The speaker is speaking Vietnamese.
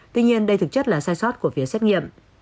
tuy nhiên đây thực chất là sai sót của phía xét nghiệm